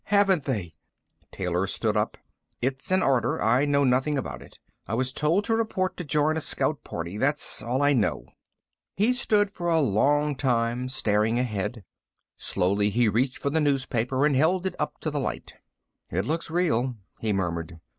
Haven't they?" Taylor stood up. "It's an order. I know nothing about it. I was told to report to join a scout party. That's all I know." He stood for a long time, staring ahead. Slowly, he reached for the newspaper and held it up to the light. "It looks real," he murmured.